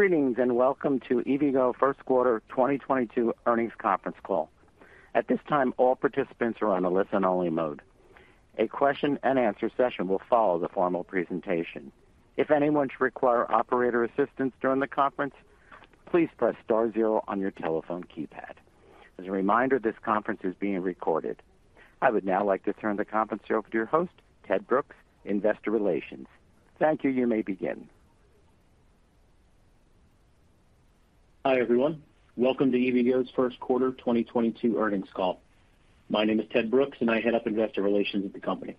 Greetings, welcome to EVgo first quarter 2022 earnings conference call. At this time, all participants are on a listen-only mode. A question-and-answer session will follow the formal presentation. If anyone should require operator assistance during the conference, please press Star zero on your telephone keypad. As a reminder, this conference is being recorded. I would now like to turn the conference over to your host, Ted Brooks, Investor Relations. Thank you. You may begin. Hi, everyone. Welcome to EVgo's first quarter 2022 earnings call. My name is Ted Brooks, and I Head up Investor Relations at the company.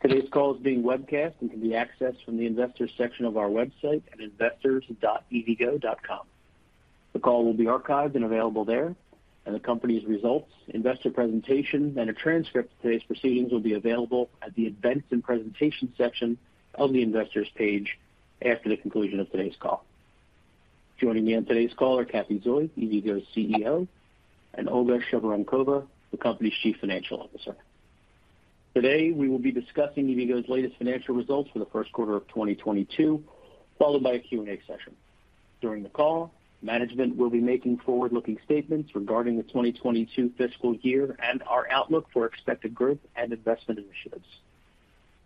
Today's call is being webcast and can be accessed from the investors section of our website at investors.evgo.com. The call will be archived and available there, and the company's results, investor presentation, and a transcript of today's proceedings will be available at the events and presentations section of the investors page after the conclusion of today's call. Joining me on today's call are Cathy Zoi, EVgo's CEO, and Olga Shevorenkova, the company's Chief Financial Officer. Today, we will be discussing EVgo's latest financial results for the first quarter of 2022, followed by a Q&A session. During the call, management will be making forward-looking statements regarding the 2022 fiscal year and our outlook for expected growth and investment initiatives.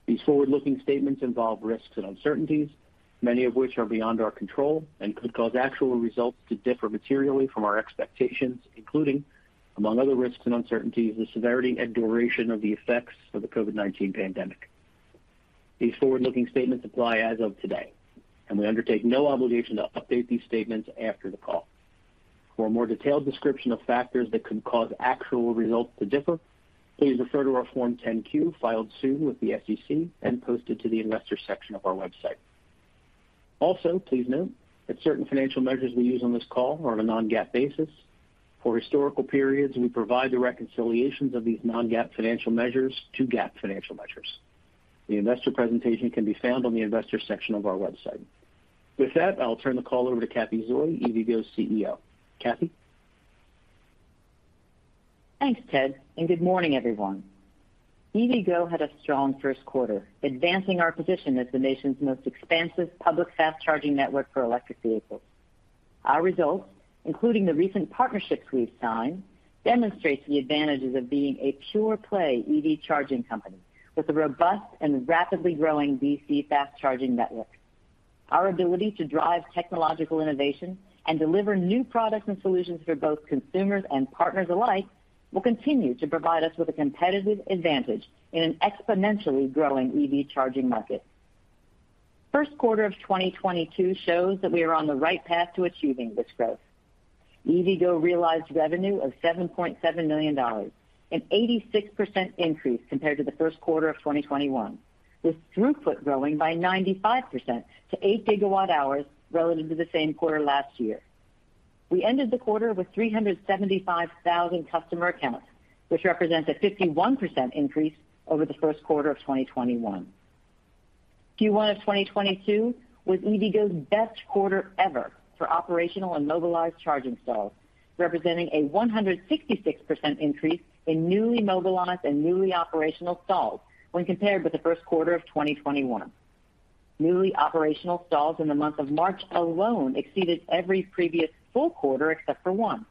These forward-looking statements involve risks and uncertainties, many of which are beyond our control and could cause actual results to differ materially from our expectations, including, among other risks and uncertainties, the severity and duration of the effects of the COVID-19 pandemic. These forward-looking statements apply as of today, and we undertake no obligation to update these statements after the call. For a more detailed description of factors that could cause actual results to differ, please refer to our Form 10-Q filed soon with the SEC and posted to the investors section of our website. Also, please note that certain financial measures we use on this call are on a non-GAAP basis. For historical periods, we provide the reconciliations of these non-GAAP financial measures to GAAP financial measures. The investor presentation can be found on the investors section of our website. With that, I'll turn the call over to Cathy Zoi, EVgo's CEO. Cathy? Thanks, Ted, and good morning, everyone. EVgo had a strong first quarter, advancing our position as the nation's most expansive public fast charging network for electric vehicles. Our results, including the recent partnerships we've signed, demonstrates the advantages of being a pure play EV charging company with a robust and rapidly growing DC fast charging network. Our ability to drive technological innovation and deliver new products and solutions for both consumers and partners alike will continue to provide us with a competitive advantage in an exponentially growing EV charging market. First quarter of 2022 shows that we are on the right path to achieving this growth. EVgo realized revenue of $7.7 million, an 86% increase compared to the first quarter of 2021, with throughput growing by 95% to 8 GWh relative to the same quarter last year. We ended the quarter with 375,000 customer accounts, which represents a 51% increase over the first quarter of 2021. Q1 of 2022 was EVgo's best quarter ever for operational and mobilized charging stalls, representing a 166% increase in newly mobilized and newly operational stalls when compared with the first quarter of 2021. Newly operational stalls in the month of March alone exceeded every previous full quarter except for one.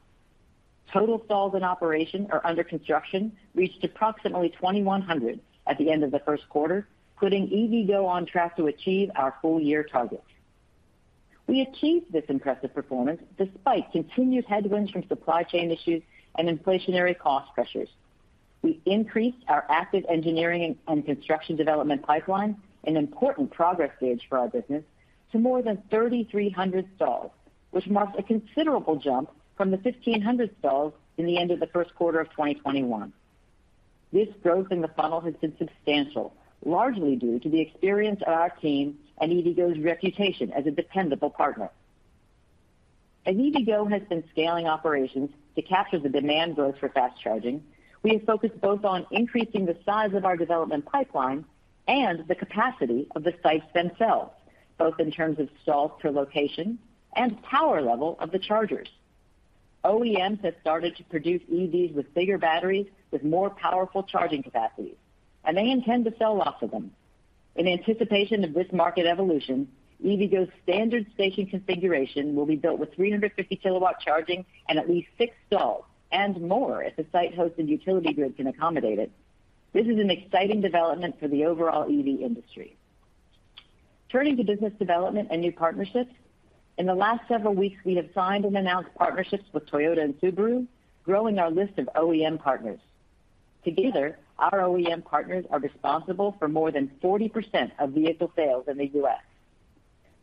Total stalls in operation or under construction reached approximately 2,100 at the end of the first quarter, putting EVgo on track to achieve our full-year targets. We achieved this impressive performance despite continued headwinds from supply chain issues and inflationary cost pressures. We increased our active engineering and construction development pipeline, an important progress gauge for our business, to more than 3,300 stalls, which marks a considerable jump from the 1,500 stalls at the end of the first quarter of 2021. This growth in the funnel has been substantial, largely due to the experience of our team and EVgo's reputation as a dependable partner. As EVgo has been scaling operations to capture the demand growth for fast charging, we have focused both on increasing the size of our development pipeline and the capacity of the sites themselves, both in terms of stalls per location and power level of the chargers. OEMs have started to produce EVs with bigger batteries with more powerful charging capacities, and they intend to sell lots of them. In anticipation of this market evolution, EVgo's standard station configuration will be built with 350 kW charging and at least six stalls, and more if the site host and utility grid can accommodate it. This is an exciting development for the overall EV industry. Turning to business development and new partnerships, in the last several weeks, we have signed and announced partnerships with Toyota and Subaru, growing our list of OEM partners. Together, our OEM partners are responsible for more than 40% of vehicle sales in the U.S.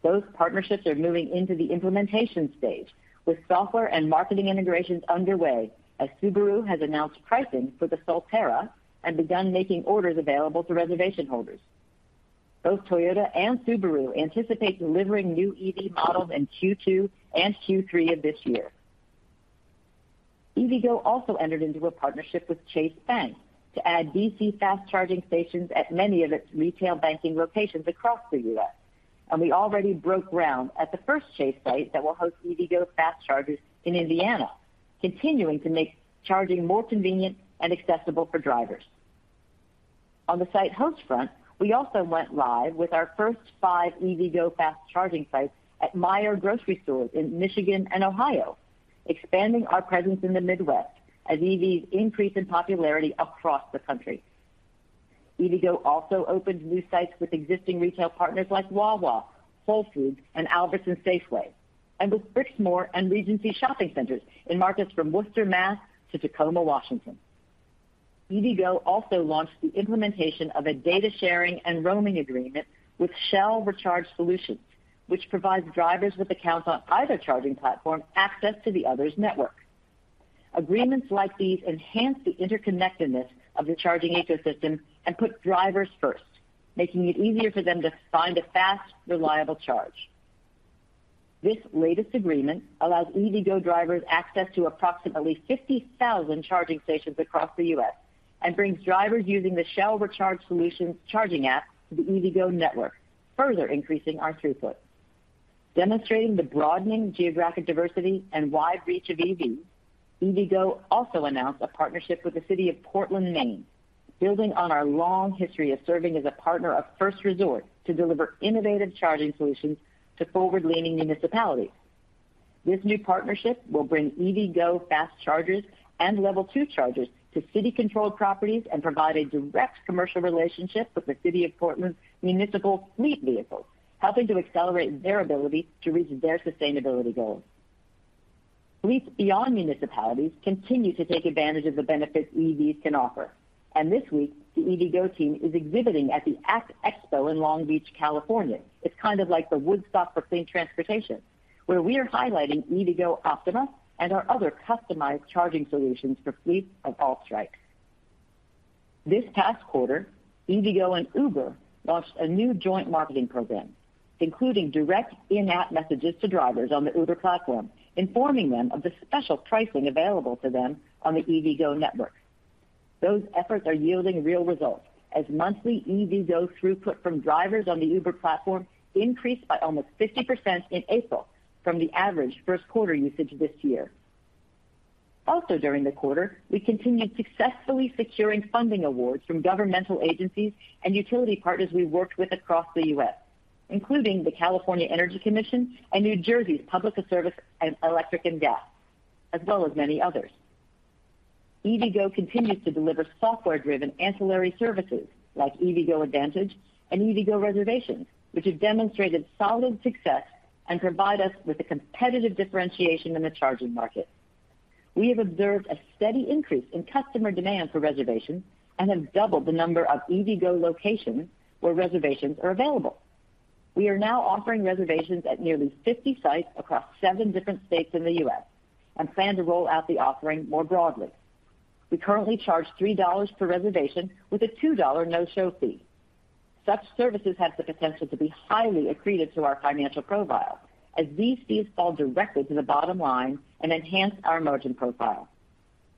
Those partnerships are moving into the implementation stage with software and marketing integrations underway as Subaru has announced pricing for the Solterra and begun making orders available to reservation holders. Both Toyota and Subaru anticipate delivering new EV models in Q2 and Q3 of this year. EVgo also entered into a partnership with Chase to add DC fast charging stations at many of its retail banking locations across the U.S. We already broke ground at the first Chase site that will host EVgo fast chargers in Indiana, continuing to make charging more convenient and accessible for drivers. On the site host front, we also went live with our first five EVgo fast charging sites at Meijer grocery stores in Michigan and Ohio, expanding our presence in the Midwest as EVs increase in popularity across the country. EVgo also opened new sites with existing retail partners like Wawa, Whole Foods, and Albertsons Safeway, and with Brixmor and Regency Centers in markets from Worcester, Mass. to Tacoma, Washington. EVgo also launched the implementation of a data sharing and roaming agreement with Shell Recharge Solutions, which provides drivers with accounts on either charging platform access to the other's network. Agreements like these enhance the interconnectedness of the charging ecosystem and put drivers first, making it easier for them to find a fast, reliable charge. This latest agreement allows EVgo drivers access to approximately 50,000 charging stations across the U.S. and brings drivers using the Shell Recharge Solutions charging app to the EVgo network, further increasing our throughput. Demonstrating the broadening geographic diversity and wide reach of EVs, EVgo also announced a partnership with the City of Portland, Maine, building on our long history of serving as a partner of first resort to deliver innovative charging solutions to forward-leaning municipalities. This new partnership will bring EVgo fast chargers and level two chargers to city-controlled properties and provide a direct commercial relationship with the City of Portland municipal fleet vehicles, helping to accelerate their ability to reach their sustainability goals. Fleets beyond municipalities continue to take advantage of the benefits EVs can offer. This week, the EVgo team is exhibiting at the ACT Expo in Long Beach, California. It's kind of like the Woodstock for clean transportation, where we are highlighting EVgo Optima and our other customized charging solutions for fleets of all stripes. This past quarter, EVgo and Uber launched a new joint marketing program, including direct in-app messages to drivers on the Uber platform, informing them of the special pricing available to them on the EVgo network. Those efforts are yielding real results as monthly EVgo throughput from drivers on the Uber platform increased by almost 50% in April from the average first quarter usage this year. Also during the quarter, we continued successfully securing funding awards from governmental agencies and utility partners we worked with across the U.S., including the California Energy Commission and New Jersey's Public Service Electric and Gas, as well as many others. EVgo continues to deliver software-driven ancillary services like EVgo Advantage and EVgo Reservations, which have demonstrated solid success and provide us with a competitive differentiation in the charging market. We have observed a steady increase in customer demand for reservations and have doubled the number of EVgo locations where reservations are available. We are now offering reservations at nearly 50 sites across seven different states in the U.S. and plan to roll out the offering more broadly. We currently charge $3 per reservation with a $2 no-show fee. Such services have the potential to be highly accretive to our financial profile as these fees fall directly to the bottom line and enhance our margin profile.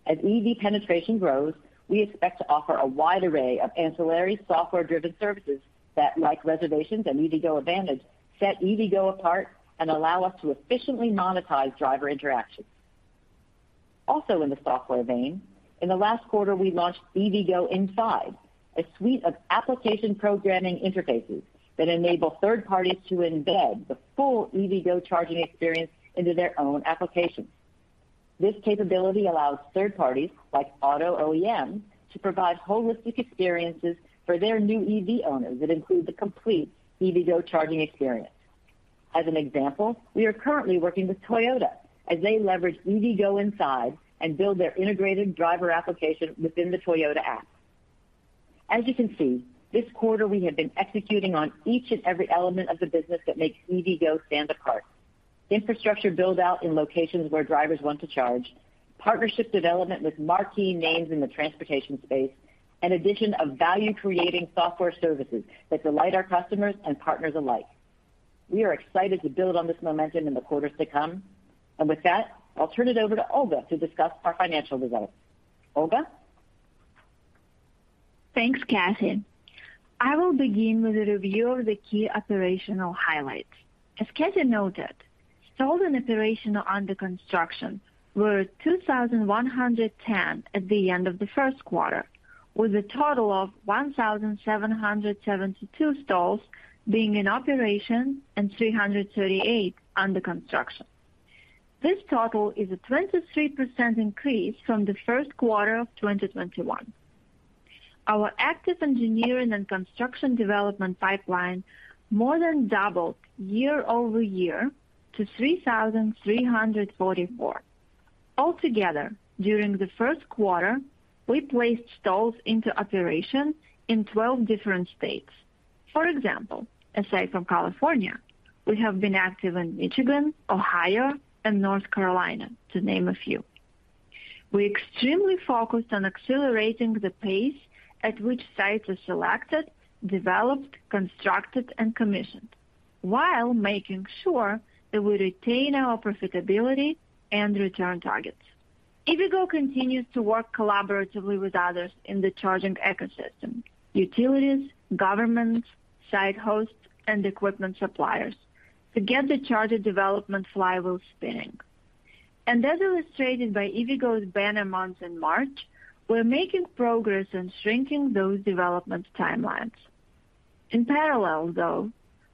As EV penetration grows, we expect to offer a wide array of ancillary software-driven services that, like reservations and EVgo Advantage, set EVgo apart and allow us to efficiently monetize driver interactions. Also in the software vein, in the last quarter, we launched EVgo Inside, a suite of application programming interfaces that enable third parties to embed the full EVgo charging experience into their own applications. This capability allows third parties like auto OEMs to provide holistic experiences for their new EV owners that include the complete EVgo charging experience. As an example, we are currently working with Toyota as they leverage EVgo Inside and build their integrated driver application within the Toyota app. As you can see, this quarter we have been executing on each and every element of the business that makes EVgo stand apart. Infrastructure build-out in locations where drivers want to charge, partnership development with marquee names in the transportation space, and addition of value-creating software services that delight our customers and partners alike. We are excited to build on this momentum in the quarters to come. With that, I'll turn it over to Olga to discuss our financial results. Olga? Thanks, Cathy. I will begin with a review of the key operational highlights. As Cathy noted, stalls in operation and under construction were 2,110 at the end of the first quarter, with a total of 1,772 stalls being in operation and 338 under construction. This total is a 23% increase from the first quarter of 2021. Our active engineering and construction development pipeline more than doubled year-over-year to 3,344. Altogether, during the first quarter, we placed stalls into operation in 12 different states. For example, aside from California, we have been active in Michigan, Ohio, and North Carolina, to name a few. We are extremely focused on accelerating the pace at which sites are selected, developed, constructed, and commissioned while making sure that we retain our profitability and return targets. EVgo continues to work collaboratively with others in the charging ecosystem, utilities, governments, site hosts, and equipment suppliers to get the charger development flywheel spinning. As illustrated by EVgo's banner month in March, we're making progress in shrinking those development timelines. In parallel, though,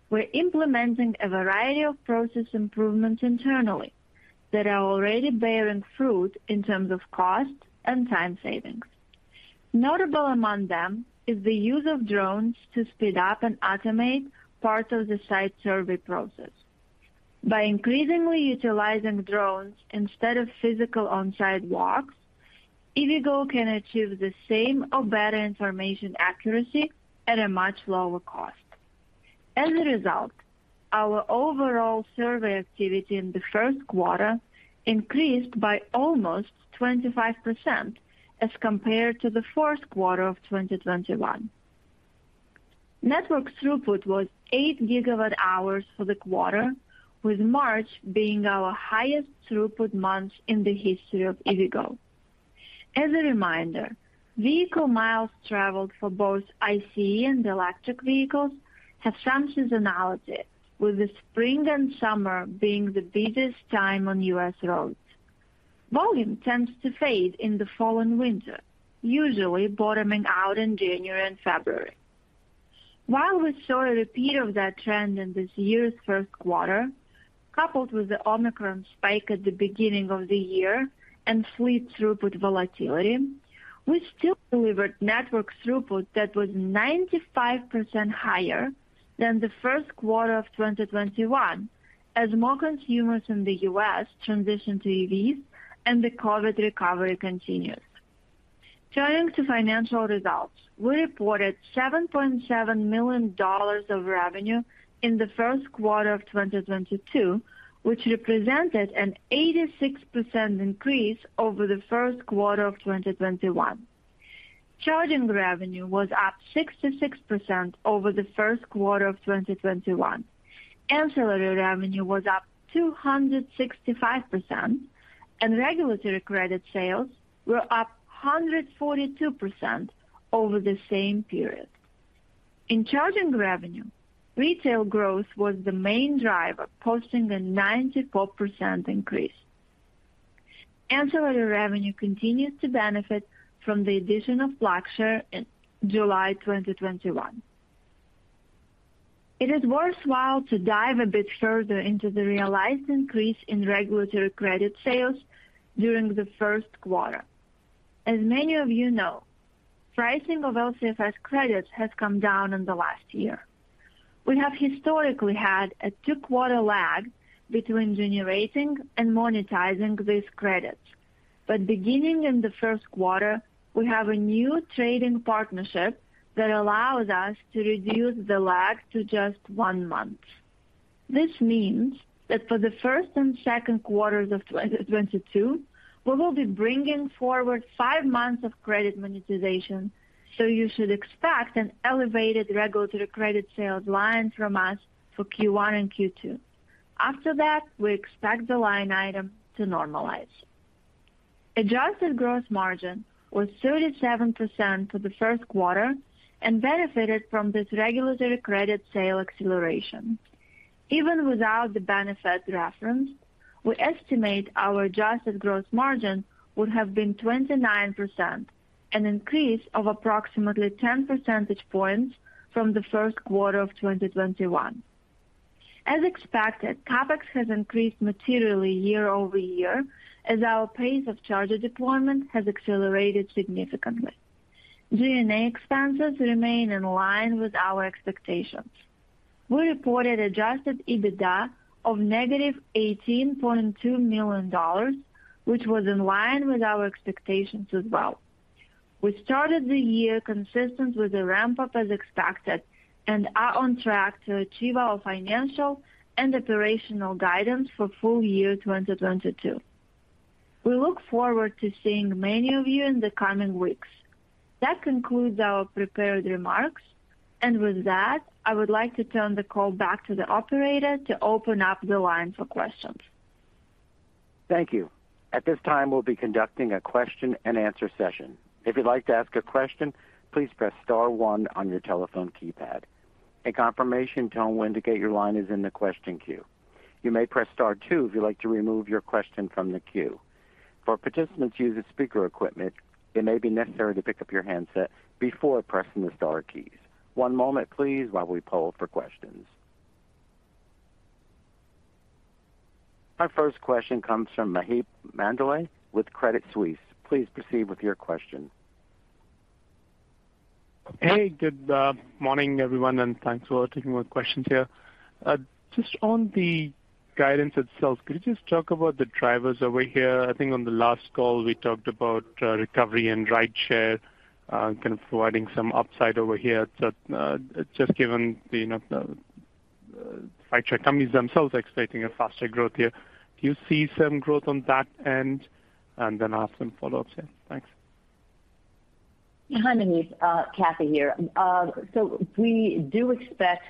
we're implementing a variety of process improvements internally that are already bearing fruit in terms of cost and time savings. Notable among them is the use of drones to speed up and automate part of the site survey process. By increasingly utilizing drones instead of physical on-site walks, EVgo can achieve the same or better information accuracy at a much lower cost. As a result, our overall survey activity in the first quarter increased by almost 25% as compared to the fourth quarter of 2021. Network throughput was 8 GWh for the quarter, with March being our highest throughput month in the history of EVgo. As a reminder, vehicle miles traveled for both ICE and electric vehicles have some seasonality, with the spring and summer being the busiest time on U.S. roads. Volume tends to fade in the fall and winter, usually bottoming out in January and February. While we saw a repeat of that trend in this year's first quarter, coupled with the Omicron spike at the beginning of the year and fleet throughput volatility, we still delivered network throughput that was 95% higher than the first quarter of 2021 as more consumers in the U.S. transition to EVs and the COVID recovery continues. Turning to financial results. We reported $7.7 million of revenue in the first quarter of 2022, which represented an 86% increase over the first quarter of 2021. Charging revenue was up 66% over the first quarter of 2021. Ancillary revenue was up 265%, and regulatory credit sales were up 142% over the same period. In charging revenue, retail growth was the main driver, posting a 94% increase. Ancillary revenue continues to benefit from the addition of PlugShare in July 2021. It is worthwhile to dive a bit further into the realized increase in regulatory credit sales during the first quarter. As many of you know, pricing of LCFS credits has come down in the last year. We have historically had a two-quarter lag between generating and monetizing these credits. Beginning in the first quarter, we have a new trading partnership that allows us to reduce the lag to just one month. This means that for the first and second quarters of 2022, we will be bringing forward five months of credit monetization. You should expect an elevated regulatory credit sales line from us for Q1 and Q2. After that, we expect the line item to normalize. Adjusted gross margin was 37% for the first quarter and benefited from this regulatory credit sale acceleration. Even without the benefit referenced, we estimate our adjusted gross margin would have been 29%, an increase of approximately 10% points from the first quarter of 2021. As expected, CapEx has increased materially year-over-year as our pace of charger deployment has accelerated significantly. G&A expenses remain in line with our expectations. We reported adjusted EBITDA of -$18.2 million, which was in line with our expectations as well. We started the year consistent with the ramp-up as expected and are on track to achieve our financial and operational guidance for full-year 2022. We look forward to seeing many of you in the coming weeks. That concludes our prepared remarks, and with that, I would like to turn the call back to the operator to open up the line for questions. Thank you. At this time, we'll be conducting a question-and-answer session. If you'd like to ask a question, please press Star one on your telephone keypad. A confirmation tone will indicate your line is in the question queue. You may press Star two if you'd like to remove your question from the queue. For participants using speaker equipment, it may be necessary to pick up your handset before pressing the star keys. One moment please while we poll for questions. Our first question comes from Maheep Mandloi with Credit Suisse. Please proceed with your question. Hey, good morning, everyone, and thanks for taking my questions here. Just on the guidance itself, could you just talk about the drivers over here? I think on the last call, we talked about recovery in rideshare, kind of providing some upside over here. Just given the, you know, the rideshare companies themselves are expecting a faster growth here. Do you see some growth on that end? And then I'll have some follow-ups here. Thanks. Hi, Maheep. Cathy here. We do expect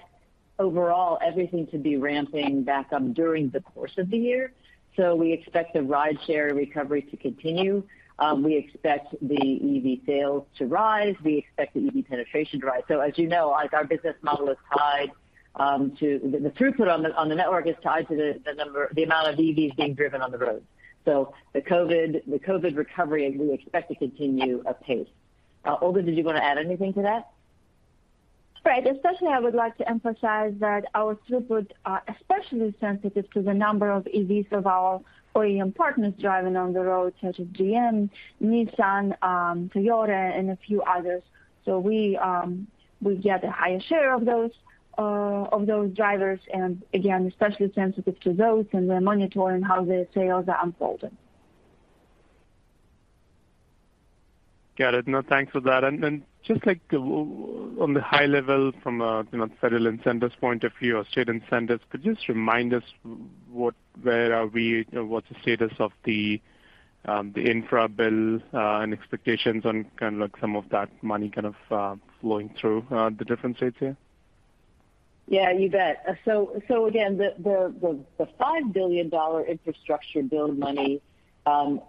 overall everything to be ramping back up during the course of the year. We expect the rideshare recovery to continue. We expect the EV sales to rise. We expect the EV penetration to rise. As you know, as our business model is tied to the throughput on the network. The throughput on the network is tied to the amount of EVs being driven on the road. The COVID recovery we expect to continue apace. Olga, did you want to add anything to that? Right. Especially, I would like to emphasize that our throughput are especially sensitive to the number of EVs of our OEM partners driving on the road, such as GM, Nissan, Toyota, and a few others. We get a higher share of those drivers, and again, especially sensitive to those, and we're monitoring how the sales are unfolding. Got it. No, thanks for that. Just like on the high level from a, you know, federal incentives point of view or state incentives, could you just remind us where are we? What's the status of the infra bill, and expectations on kind of like some of that money kind of flowing through the different states here? Yeah, you bet. Again, the $5 billion infrastructure bill money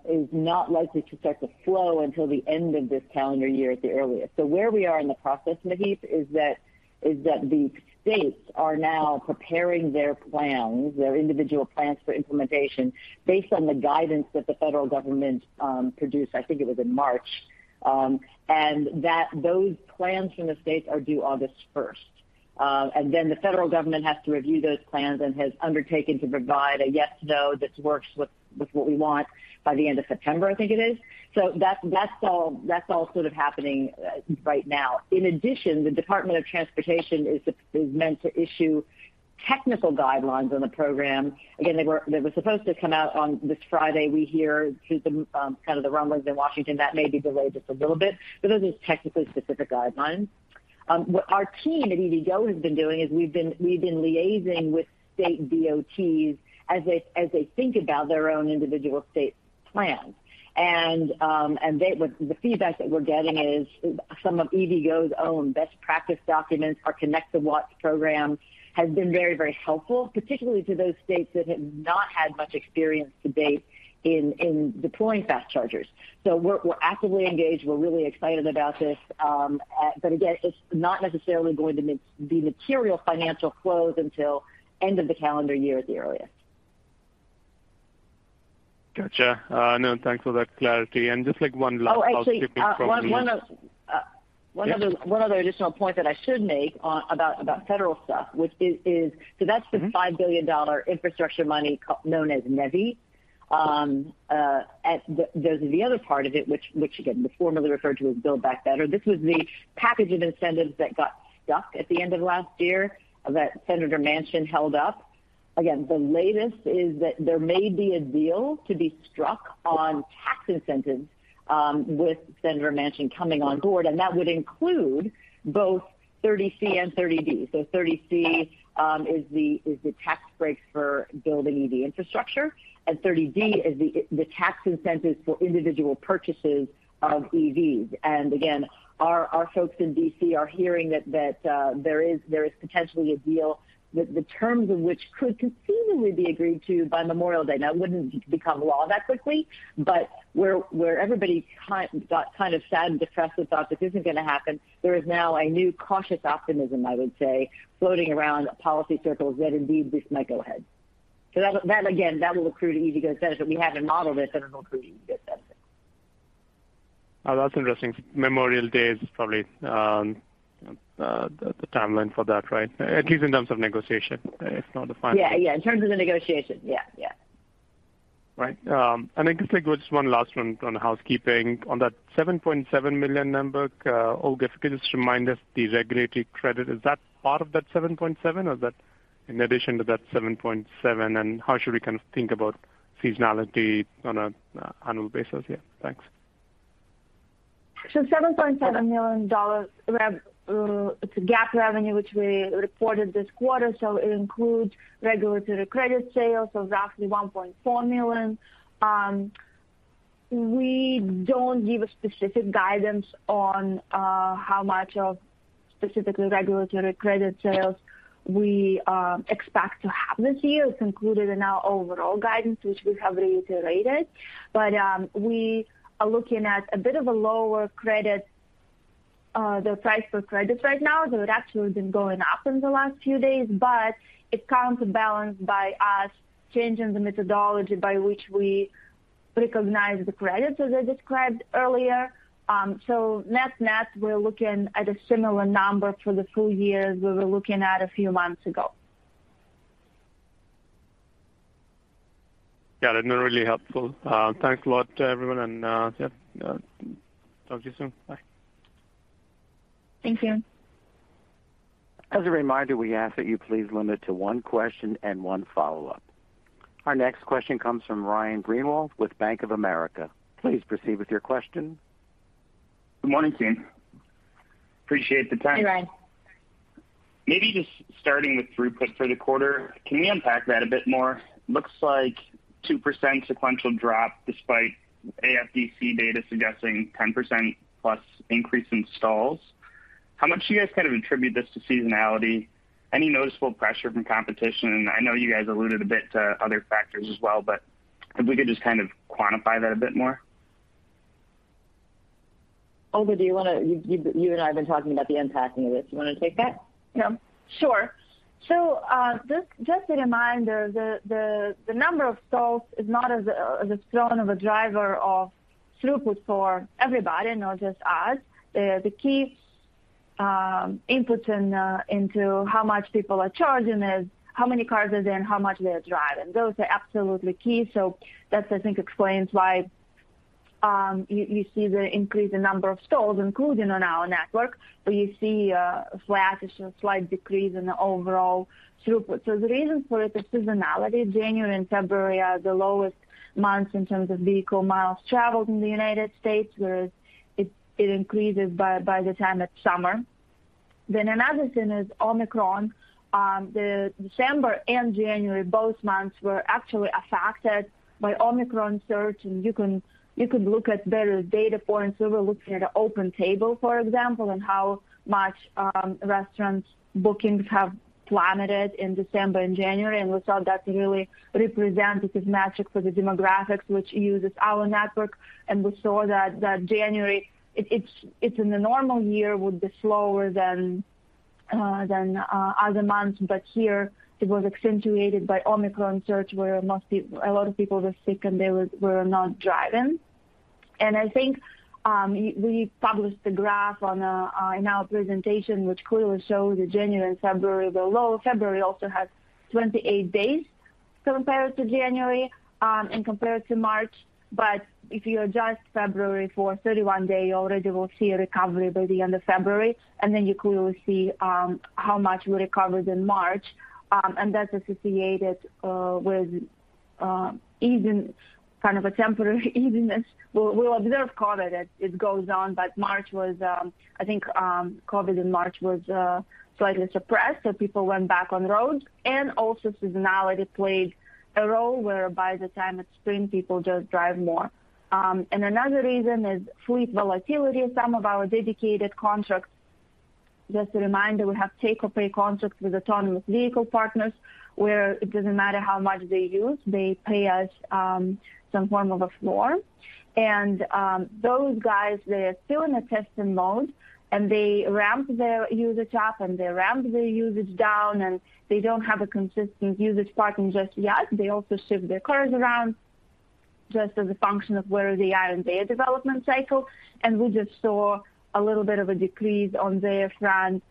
is not likely to start to flow until the end of this calendar year at the earliest. Where we are in the process, Maheep, is that the states are now preparing their plans, their individual plans for implementation based on the guidance that the federal government produced, I think it was in March. Those plans from the states are due August 1st. The federal government has to review those plans and has undertaken to provide a yes/no that works with what we want by the end of September, I think it is. That's all sort of happening right now. In addition, the Department of Transportation is meant to issue technical guidelines on the program. Again, they were supposed to come out on this Friday. We hear through the kind of the rumblings in Washington that may be delayed just a little bit. Those are technically specific guidelines. What our team at EVgo has been doing is we've been liaising with state DOTs as they think about their own individual state plan. The feedback that we're getting is some of EVgo's own best practice documents, our Connect the Watts program, has been very, very helpful, particularly to those states that have not had much experience to date in deploying fast chargers. We're actively engaged. We're really excited about this. Again, it's not necessarily going to be material financial flows until end of the calendar year at the earliest. Gotcha. No, thanks for that clarity. Just like one last housekeeping. Oh, actually, one other. Yes. One other additional point that I should make about federal stuff, which is the $5 billion infrastructure money known as NEVI. The other part of it, which again, was formerly referred to as Build Back Better. This was the package of incentives that got stuck at the end of last year that Senator Manchin held up. Again, the latest is that there may be a deal to be struck on tax incentives, with Senator Manchin coming on board, and that would include both 30C and 30D. 30C is the tax breaks for building EV infrastructure and 30D is the tax incentives for individual purchases of EVs. Our folks in D.C. are hearing that there is potentially a deal, the terms of which could conceivably be agreed to by Memorial Day. Now, it wouldn't become law that quickly, but where everybody got kind of sad and depressed and thought this isn't gonna happen, there is now a new cautious optimism, I would say, floating around policy circles that indeed this might go ahead. That again will accrue to EVgo's benefit. We haven't modeled it, but it'll accrue to EVgo's benefit. Oh, that's interesting. Memorial Day is probably the timeline for that, right? At least in terms of negotiation, if not the final. Yeah. In terms of the negotiation. Yeah. Right. I can take just one last one on housekeeping. On that $7.7 million number, Olga, could you just remind us the regulatory credit? Is that part of that $7.7 million or is that in addition to that $7.7 million? How should we kind of think about seasonality on an annual basis here? Thanks. $7.7 million dollars, it's a GAAP revenue, which we reported this quarter, so it includes regulatory credit sales of roughly $1.4 million. We don't give a specific guidance on how much of specifically regulatory credit sales we expect to have this year. It's included in our overall guidance, which we have reiterated. We are looking at a bit of a lower credit, the price for credits right now. They have actually been going up in the last few days, but it's counterbalanced by us changing the methodology by which we recognize the credits, as I described earlier. Net-net, we're looking at a similar number for the full-year as we were looking at a few months ago. Got it. No, really helpful. Thanks a lot everyone and, yeah, talk to you soon. Bye. Thank you. As a reminder, we ask that you please limit to one question and one follow-up. Our next question comes from Ryan Greenwald with Bank of America. Please proceed with your question. Good morning, team. Appreciate the time. Hey, Ryan. Maybe just starting with throughput for the quarter. Can you unpack that a bit more? Looks like 2% sequential drop despite AFDC data suggesting 10%+ increase in installs. How much do you guys kind of attribute this to seasonality? Any noticeable pressure from competition? I know you guys alluded a bit to other factors as well, but if we could just kind of quantify that a bit more. Olga, do you wanna you and I have been talking about the unpacking of this. You wanna take that? Yeah, sure. Just a reminder, the number of stalls is not as strong of a driver of throughput for everybody, not just us. The key inputs into how much people are charging is how many cars are there and how much they are driving. Those are absolutely key. That I think explains why you see the increase in number of stalls, including on our network, but you see a flattish, slight decrease in the overall throughput. The reason for it is seasonality. January and February are the lowest months in terms of vehicle miles traveled in the United States, whereas it increases by the time it's summer. Another thing is Omicron. The December and January, both months, were actually affected by Omicron surge. You could look at better data points. We're looking at OpenTable, for example, and how much restaurant bookings have plummeted in December and January. We saw that really representative metric for the demographics, which uses our network. We saw that January it in a normal year would be slower than other months. But here it was accentuated by Omicron surge, where most people a lot of people were sick, and they were not driving. I think we published a graph in our presentation, which clearly shows that January and February were low. February also has 28 days compared to January and compared to March. If you adjust February for 31 days, you already will see a recovery by the end of February, and then you clearly see how much we recovered in March. That's associated with even kind of a temporary evenness. We'll observe COVID as it goes on. March was, I think, COVID in March was slightly suppressed, so people went back on roads. Seasonality played a role where by the time it's spring, people just drive more. Another reason is fleet volatility. Some of our dedicated contracts, just a reminder, we have take-or-pay contracts with autonomous vehicle partners, where it doesn't matter how much they use, they pay us some form of a floor. Those guys, they are still in a testing mode, and they ramp their usage up, and they ramp their usage down, and they don't have a consistent usage pattern just yet. They also shift their cars around just as a function of where they are in their development cycle. We just saw a little bit of a decrease on their front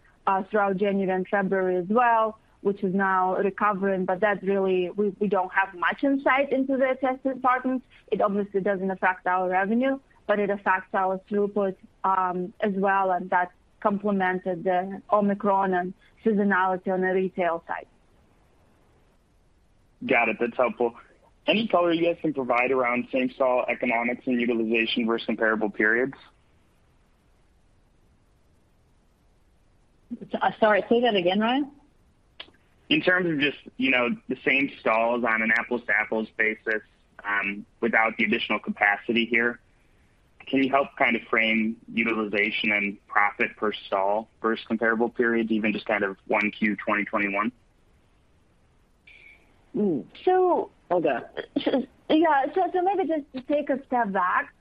throughout January and February as well, which is now recovering. We don't have much insight into their testing patterns. It obviously doesn't affect our revenue, but it affects our throughput as well, and that complemented the Omicron and seasonality on the retail side. Got it. That's helpful. Any color you guys can provide around same-stall economics and utilization versus comparable periods? Sorry, say that again, Ryan. In terms of just, you know, the same stalls on an apples-to-apples basis, without the additional capacity here, can you help kind of frame utilization and profit per stall versus comparable periods, even just kind of Q1 2021? So maybe just to take a step back.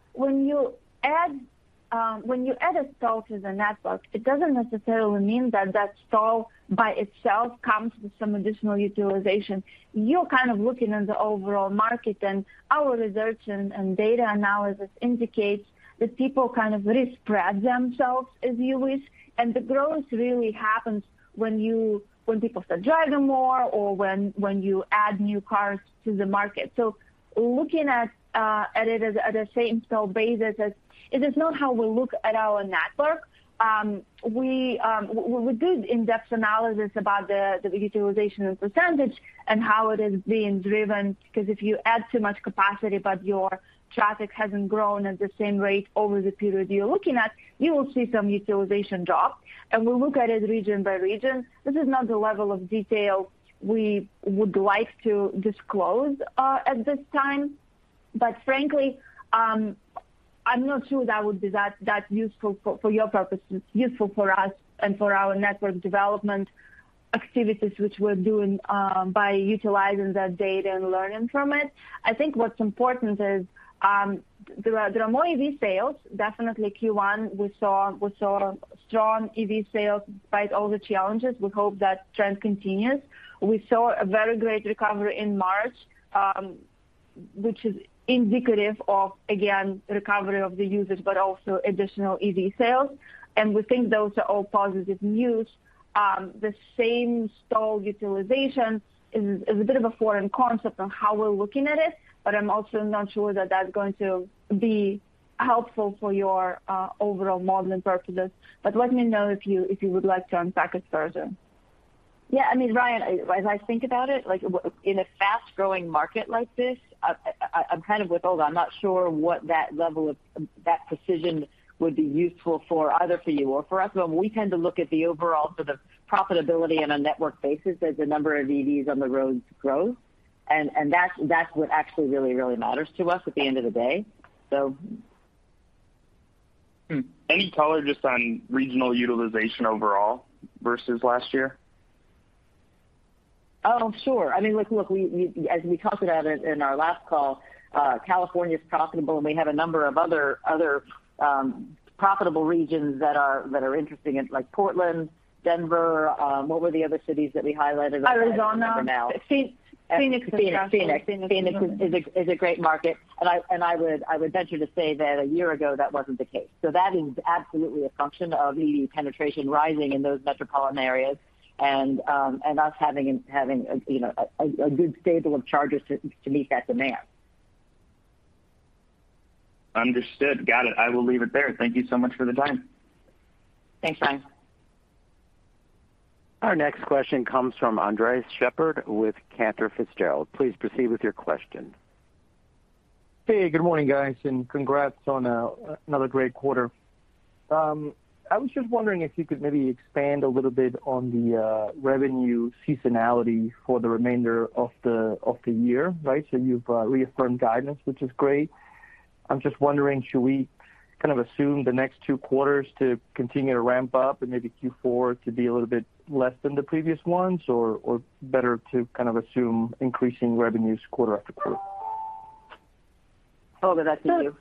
When you add a stall to the network, it doesn't necessarily mean that stall by itself comes with some additional utilization. You're kind of looking at the overall market, and our research and data analysis indicates that people kind of respread themselves, if you wish, and the growth really happens when people start driving more or when you add new cars to the market. Looking at it as a same stall basis is not how we look at our network. We do in-depth analysis about the utilization as a percentage and how it is being driven, because if you add too much capacity but your traffic hasn't grown at the same rate over the period you're looking at, you will see some utilization drop. We look at it region by region. This is not the level of detail we would like to disclose at this time. Frankly, I'm not sure that would be that useful for your purposes. Useful for us and for our network development activities, which we're doing by utilizing that data and learning from it. I think what's important is there are more EV sales, definitely Q1 we saw strong EV sales despite all the challenges. We hope that trend continues. We saw a very great recovery in March, which is indicative of, again, recovery of the usage but also additional EV sales. We think those are all positive news. The same stall utilization is a bit of a foreign concept on how we're looking at it, but I'm also not sure that that's going to be helpful for your overall modeling purposes. Let me know if you would like to unpack it further. Yeah. I mean, Ryan, as I think about it, like in a fast-growing market like this, I'm kind of with Olga. I'm not sure what that level of, that precision would be useful for, either for you or for us. We tend to look at the overall sort of profitability on a network basis as the number of EVs on the roads grows. That's what actually really matters to us at the end of the day. Any color just on regional utilization overall versus last year? Oh, sure. I mean, look, we as we talked about it in our last call, California's profitable, and we have a number of other profitable regions that are interesting, like Portland, Denver, what were the other cities that we highlighted? I can't remember now. Arizona. Phoenix. Phoenix. Phoenix is profitable. Phoenix. Phoenix. Phoenix is a great market. I would venture to say that a year ago that wasn't the case. That is absolutely a function of EV penetration rising in those metropolitan areas and us having, you know, a good stable of chargers to meet that demand. Understood. Got it. I will leave it there. Thank you so much for the time. Thanks, Ryan. Our next question comes from Andres Sheppard with Cantor Fitzgerald. Please proceed with your question. Hey, good morning, guys, and congrats on another great quarter. I was just wondering if you could maybe expand a little bit on the revenue seasonality for the remainder of the year. Right? You've reaffirmed guidance, which is great. I'm just wondering, should we kind of assume the next two quarters to continue to ramp up and maybe Q4 to be a little bit less than the previous ones or better to kind of assume increasing revenues quarter-after-quarter? Olga, that's for you.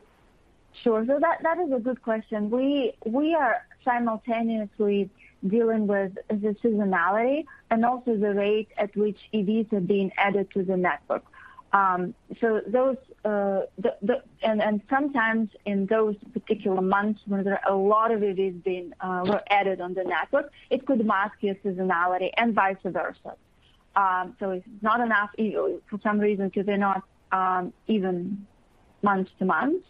Sure. That is a good question. We are simultaneously dealing with the seasonality and also the rate at which EVs are being added to the network. Sometimes in those particular months where a lot of EVs were added on the network, it could mask your seasonality and vice versa. It's not even for some reason, because they're not even month to month.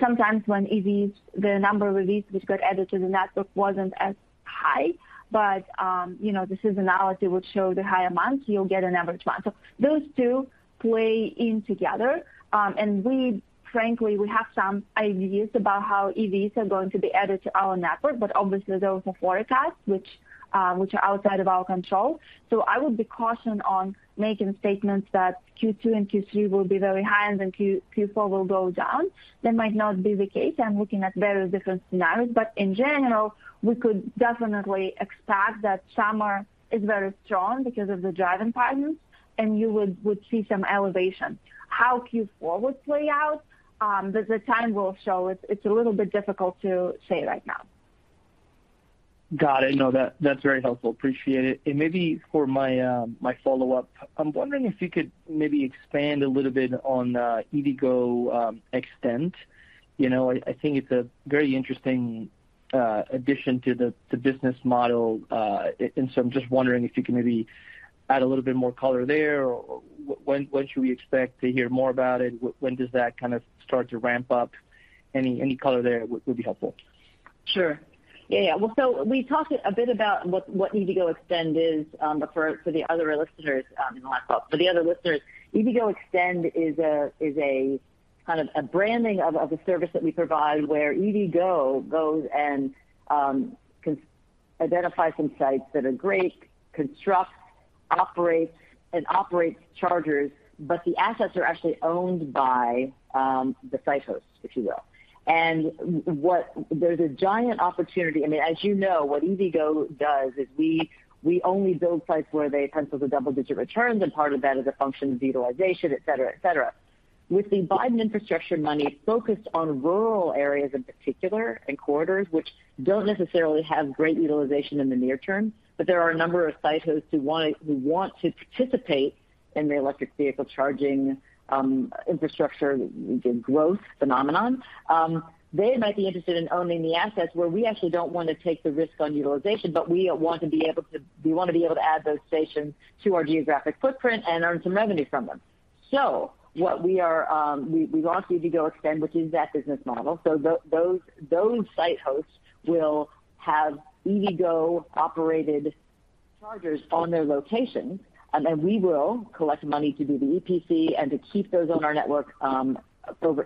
Sometimes when the number of EVs which got added to the network wasn't as high, but you know, the seasonality would show in the higher months, you'll get an average month. Those two play in together. Frankly, we have some ideas about how EVs are going to be added to our network, but obviously, those are forecasts which are outside of our control. I would be cautioned on making statements that Q2 and Q3 will be very high and then Q4 will go down. That might not be the case. I'm looking at very different scenarios. In general, we could definitely expect that summer is very strong because of the driving patterns, and you would see some elevation. How Q4 would play out, the time will show. It's a little bit difficult to say right now. Got it. No, that's very helpful. Appreciate it. Maybe for my follow-up, I'm wondering if you could maybe expand a little bit on EVgo eXtend. You know, I think it's a very interesting addition to the business model. I'm just wondering if you can maybe add a little bit more color there or when should we expect to hear more about it? When does that kind of start to ramp up? Any color there would be helpful. Sure. Yeah, yeah. Well, we talked a bit about what EVgo eXtend is, but for the other listeners in the last call. For the other listeners, EVgo eXtend is a kind of branding of a service that we provide where EVgo goes and can identify some sites that are great, construct and operate chargers, but the assets are actually owned by the site hosts, if you will. There's a giant opportunity. I mean, as you know, what EVgo does is we only build sites where they pencil the double-digit returns, and part of that is a function of utilization, et cetera. With the Biden infrastructure money focused on rural areas in particular and corridors, which don't necessarily have great utilization in the near-term, but there are a number of site hosts who want to participate in the electric vehicle charging infrastructure growth phenomenon. They might be interested in owning the assets where we actually don't want to take the risk on utilization, but we want to be able to add those stations to our geographic footprint and earn some revenue from them. We launched EVgo eXtend, which is that business model. Those site hosts will have EVgo-operated chargers on their location, and then we will collect money to do the EPC and to keep those on our network,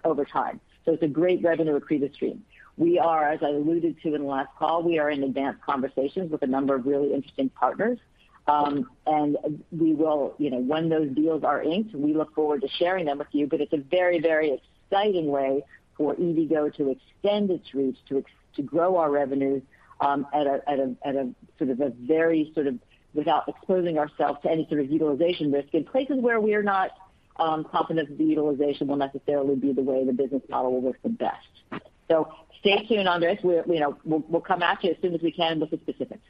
over time. It's a great revenue accretive stream. We are, as I alluded to in the last call, we are in advanced conversations with a number of really interesting partners. We will, you know, when those deals are inked, we look forward to sharing them with you. It's a very exciting way for EVgo to extend its reach, to grow our revenues, at a sort of a very without exposing ourselves to any sort of utilization risk in places where we are not confident the utilization will necessarily be the way the business model will work the best. Stay tuned, Andres. We're, you know, we'll come at you as soon as we can with the specifics.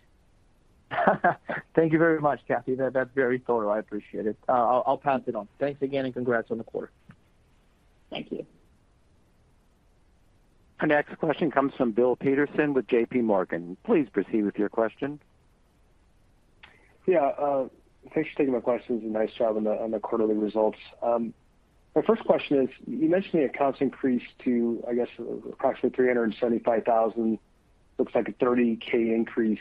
Thank you very much, Cathy. That's very thorough. I appreciate it. I'll pass it on. Thanks again, and congrats on the quarter. Thank you. Our next question comes from Bill Peterson with JPMorgan. Please proceed with your question. Yeah, thanks for taking my questions, and nice job on the quarterly results. My first question is, you mentioned the accounts increased to, I guess, approximately 375,000. Looks like a 30,000 increase.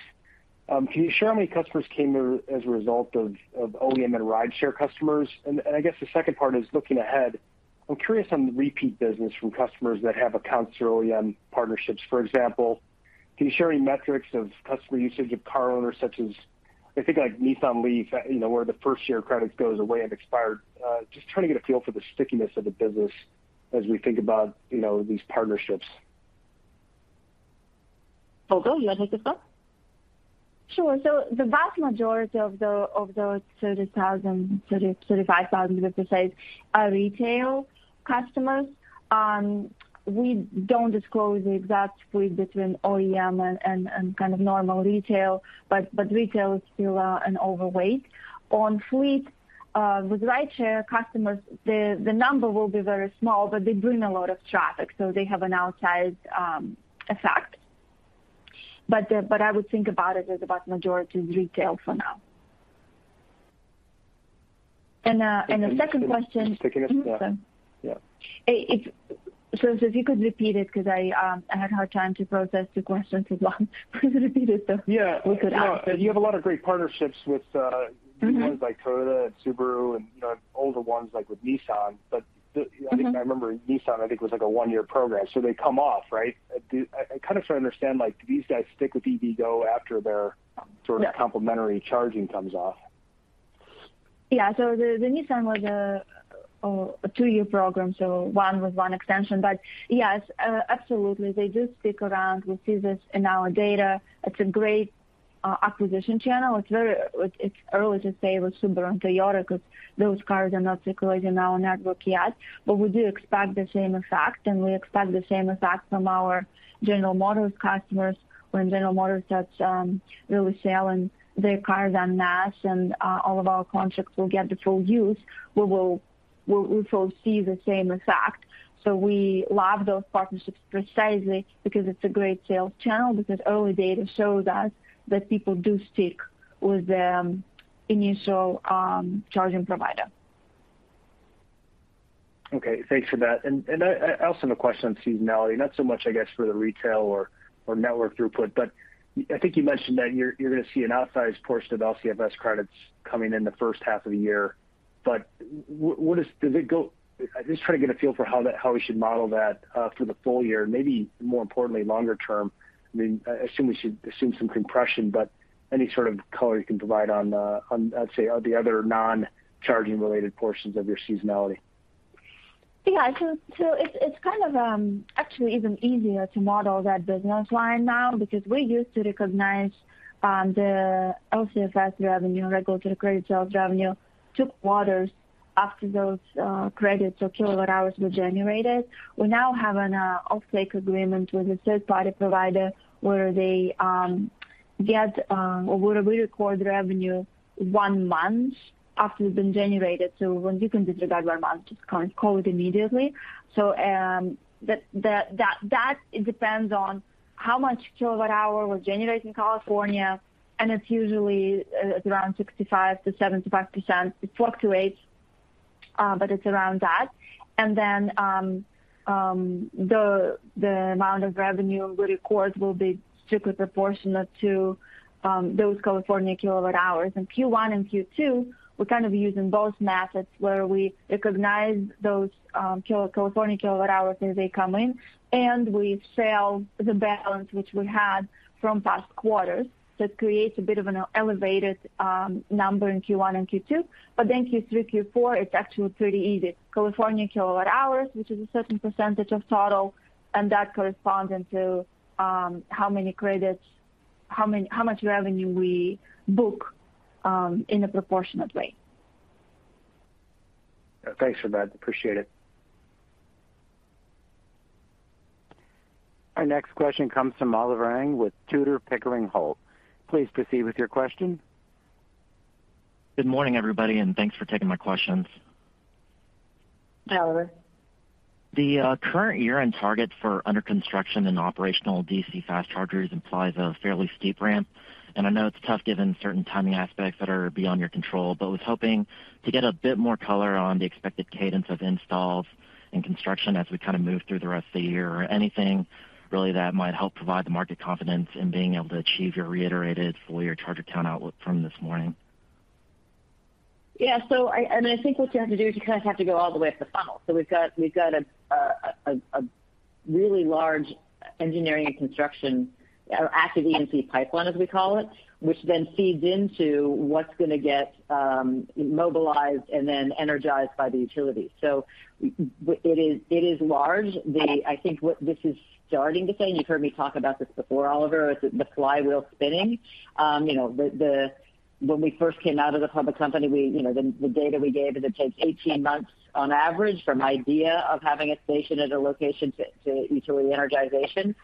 Can you share how many customers came as a result of OEM and Rideshare customers? And I guess the second part is looking ahead. I'm curious on the repeat business from customers that have accounts through OEM partnerships. For example, can you share any metrics of customer usage of car owners such as, I think like Nissan LEAF, you know, where the first year credit goes away and expired? Just trying to get a feel for the stickiness of the business as we think about, you know, these partnerships. Olga, you want to take this one? Sure. The vast majority of those 35,000, as you said, are retail customers. We don't disclose the exact split between OEM and kind of normal retail, but retail is still an overweight. On fleet, with Rideshare customers, the number will be very small, but they bring a lot of traffic, so they have an outsized effect. I would think about it as about majority is retail for now. The second question- Sticking with that. Yeah. If you could repeat it because I had a hard time to process two questions at once. Please repeat it so- Yeah. We could ask. You have a lot of great partnerships with. Ones like Toyota and Subaru and, you know, older ones like with Nissan. I think I remember Nissan, I think was like a one-year program, so they come off, right? I kind of try to understand like, do these guys stick with EVgo after their Yeah. Sort of complimentary charging comes off? Yeah. The Nissan was a two-year program, so one with one extension. Yes, absolutely. They do stick around. We see this in our data. It's a great acquisition channel. It's early to say with Subaru and Toyota because those cars are not circulating in our network yet. We do expect the same effect, and we expect the same effect from our General Motors customers. When General Motors starts really selling their cars en masse and all of our contracts will get the full use, we will foresee the same effect. We love those partnerships precisely because it's a great sales channel, because early data shows us that people do stick with the initial charging provider. Okay. Thanks for that. I also have a question on seasonality. Not so much, I guess, for the retail or network throughput, but I think you mentioned that you're gonna see an outsized portion of LCFS credits coming in the first half of the year. I'm just trying to get a feel for how we should model that for the full-year and maybe more importantly, longer-term. I mean, I assume we should assume some compression, but any sort of color you can provide on the, I'd say, other non-charging related portions of your seasonality. It's kind of actually even easier to model that business line now because we used to recognize the LCFS revenue, regulatory credit sales revenue, two quarters after those credits or kilowatt-hours were generated. We now have an offtake agreement with a third-party provider where we record revenue one month after it's been generated. When you can disregard one month, just call it immediately. That depends on how much kilowatt-hour was generated in California, and it's usually around 65%-75%. It fluctuates, but it's around that. The amount of revenue we record will be strictly proportionate to those California kilowatt-hours. In Q1 and Q2, we're kind of using both methods where we recognize those California kilowatt-hours as they come in, and we sell the balance which we had from past quarters. That creates a bit of an elevated number in Q1 and Q2. Q3, Q4, it's actually pretty easy. California kilowatt-hours, which is a certain percentage of total, and that corresponding to how many credits, how much revenue we book in a proportionate way. Thanks for that. Appreciate it. Our next question comes from Oliver Huang with Tudor, Pickering, Holt. Please proceed with your question. Good morning, everybody, and thanks for taking my questions. Hi, Oliver. The current year-end target for under construction and operational DC fast chargers implies a fairly steep ramp. I know it's tough given certain timing aspects that are beyond your control, but was hoping to get a bit more color on the expected cadence of installs and construction as we kind of move through the rest of the year or anything really that might help provide the market confidence in being able to achieve your reiterated full-year charger count outlook from this morning. I think what you have to do is you kind of have to go all the way up the funnel. We've got a really large engineering and construction, or active E&C pipeline, as we call it, which then feeds into what's gonna get mobilized and then energized by the utility. It is large. I think what this is starting to say, and you've heard me talk about this before, Oliver, is the flywheel spinning. You know, when we first came out as a public company, you know, the data we gave is it takes 18 months on average from idea of having a station at a location to utility energization.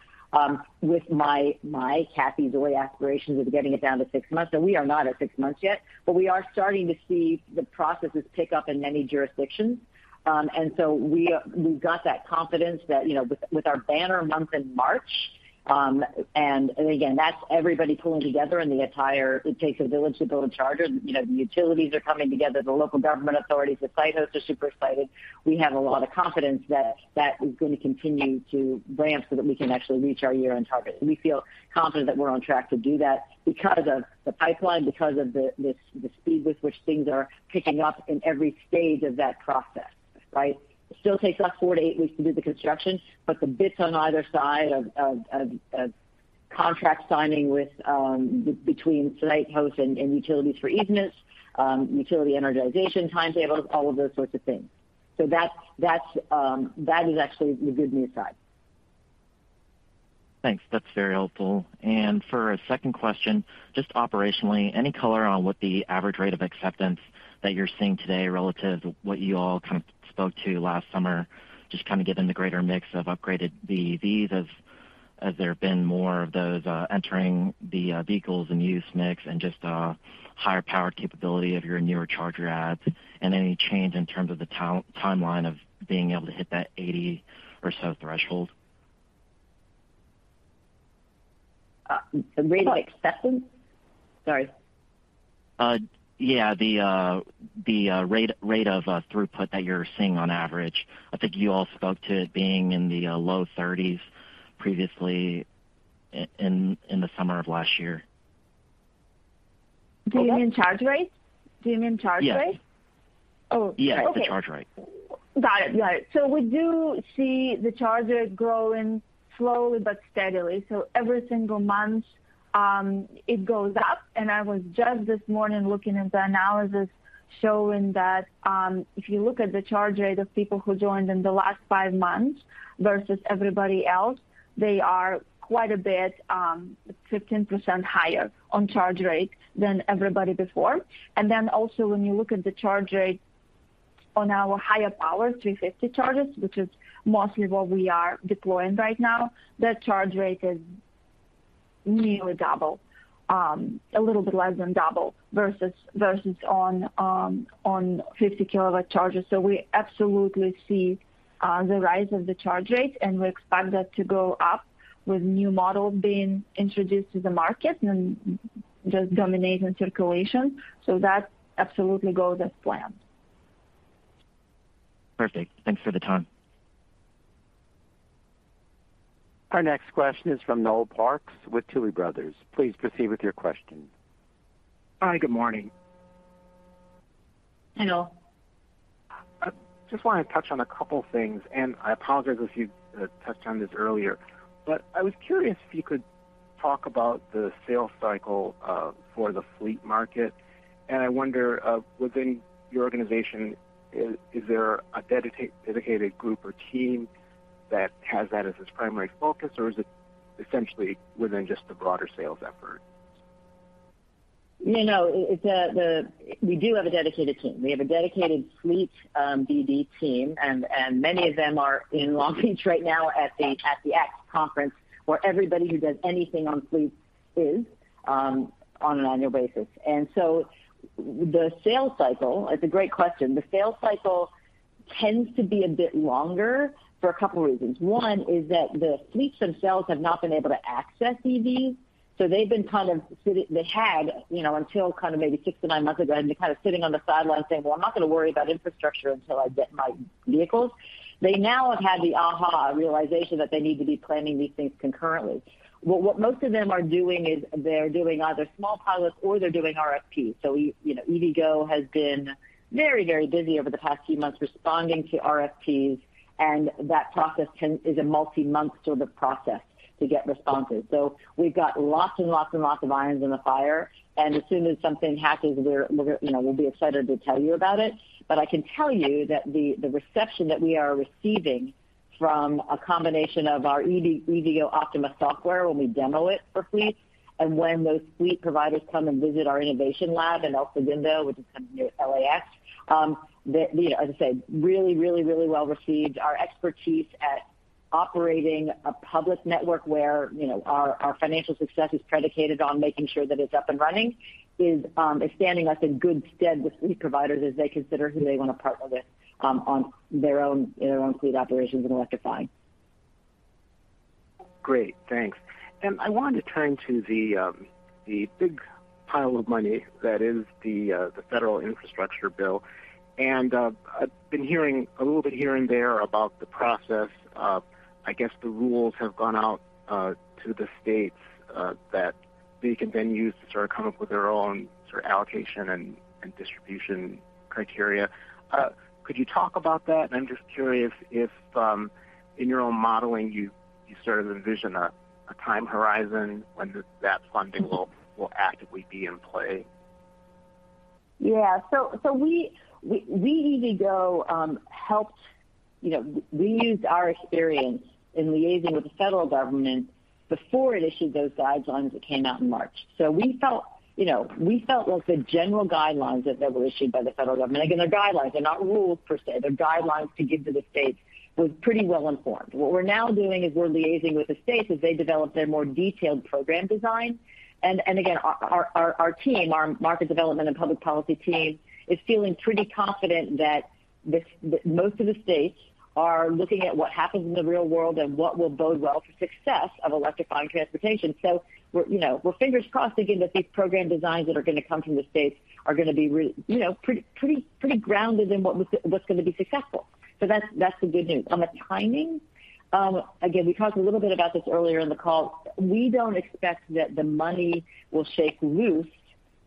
With my Cathy Zoi aspirations of getting it down to six months, and we are not at six months yet. We are starting to see the processes pick up in many jurisdictions. We've got that confidence that, you know, with our banner month in March, and again, that's everybody pulling together in the entire it takes a village to build a charger. You know, the utilities are coming together, the local government authorities, the site hosts are super excited. We have a lot of confidence that that is gonna continue to ramp so that we can actually reach our year-end target. We feel confident that we're on track to do that because of the pipeline, because of the speed with which things are picking up in every stage of that process, right? It still takes us 4 weeks-8 weeks to do the construction, but the bits on either side of contract signing between site hosts and utilities for easements, utility energization timetables, all of those sorts of things. That is actually the good news side. Thanks. That's very helpful. For a second question, just operationally, any color on what the average rate of acceptance that you're seeing today relative to what you all kind of spoke to last summer, just kind of given the greater mix of upgraded BEVs as there have been more of those entering the vehicles and use mix and just higher power capability of your newer charger adds and any change in terms of the timeline of being able to hit that 80 or so threshold? The rate of acceptance? Sorry. Yeah, the rate of throughput that you're seeing on average. I think you all spoke to it being in the low 30s previously in the summer of last year. Do you mean charge rates? Yeah. Oh, okay. Yeah, the charge rate. Got it. We do see the charge rate growing slowly but steadily. Every single month, it goes up. I was just this morning looking at the analysis showing that, if you look at the charge rate of people who joined in the last five months versus everybody else, they are quite a bit, 15% higher on charge rate than everybody before. Then also when you look at the charge rate on our higher power 350 charges, which is mostly what we are deploying right now, that charge rate is nearly double, a little bit less than double versus on 50 kW charges. We absolutely see the rise of the charge rate, and we expect that to go up with new models being introduced to the market and just dominating circulation. That absolutely goes as planned. Perfect. Thanks for the time. Our next question is from Noel Parks with Tuohy Brothers. Please proceed with your question. Hi, good morning. Hello. I just want to touch on a couple things, and I apologize if you touched on this earlier. I was curious if you could talk about the sales cycle for the fleet market. I wonder, within your organization, is there a dedicated group or team that has that as its primary focus, or is it essentially within just the broader sales effort? You know, we do have a dedicated team. We have a dedicated fleet BD team, and many of them are in Long Beach right now at the ACT Expo where everybody who does anything on fleet is on an annual basis. The sales cycle. It's a great question. The sales cycle tends to be a bit longer for a couple reasons. One is that the fleets themselves have not been able to access EVs, so they've been kind of sitting. They had, you know, until kind of maybe 6-9 months ago, have been kind of sitting on the sidelines saying, Well, I'm not gonna worry about infrastructure until I get my vehicles. They now have had the aha realization that they need to be planning these things concurrently. What most of them are doing is they're doing either small pilots or they're doing RFPs. You know, EVgo has been very, very busy over the past few months responding to RFPs, and that process is a multi-month sort of process to get responses. We've got lots and lots and lots of irons in the fire, and as soon as something happens we're you know, we'll be excited to tell you about it. I can tell you that the reception that we are receiving from a combination of our EVgo Optima software when we demo it for fleets and when those fleet providers come and visit our innovation lab in El Segundo, which is kind of near LAX, you know, as I said, really, really, really well received. Our expertise at operating a public network where, you know, our financial success is predicated on making sure that it's up and running is standing us in good stead with fleet providers as they consider who they want to partner with, on their own fleet operations and electrifying. Great. Thanks. I wanted to turn to the big pile of money that is the federal infrastructure bill. I've been hearing a little bit here and there about the process of, I guess, the rules have gone out to the states that they can then use to start coming up with their own sort of allocation and distribution criteria. Could you talk about that? I'm just curious if in your own modeling, you sort of envision a time horizon when that funding will actively be in play. We at EVgo used our experience in liaising with the federal government before it issued those guidelines that came out in March. We felt, you know, like the general guidelines that were issued by the federal government, again, they're guidelines, they're not rules per se, they're guidelines to give to the states, was pretty well informed. What we're now doing is we're liaising with the states as they develop their more detailed program design. Again, our team, our market development and public policy team is feeling pretty confident that most of the states are looking at what happens in the real world and what will bode well for success of electrifying transportation. We're fingers crossed again that these program designs that are gonna come from the states are gonna be pretty grounded in what's gonna be successful. That's the good news. On the timing, again, we talked a little bit about this earlier in the call. We don't expect that the money will shake loose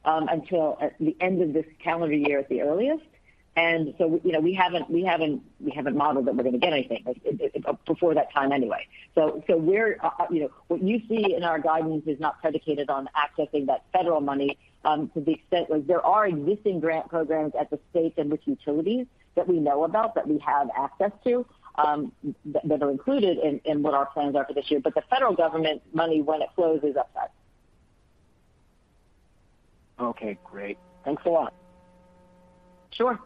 until at the end of this calendar year at the earliest. We haven't modeled that we're gonna get anything. What you see in our guidance is not predicated on accessing that federal money to the extent. Like, there are existing grant programs at the state and with utilities that we know about, that we have access to, that are included in what our plans are for this year. The federal government money when it flows is upside. Okay. Great. Thanks a lot. Sure.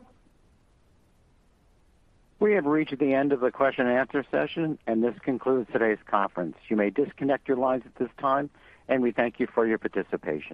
We have reached the end of the question-and-answer session, and this concludes today's conference. You may disconnect your lines at this time, and we thank you for your participation.